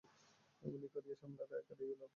এমনি করিয়া সন্ধ্যাটা কাটিয়া গেল।